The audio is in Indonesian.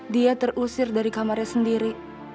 dia terusir dari kamarnya sendiri